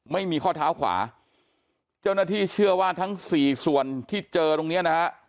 ไม่มีข้อเท้าขวาเจ้าหน้าที่เชื่อว่าทั้งสี่ส่วนที่เจอตรงเนี้ยนะฮะ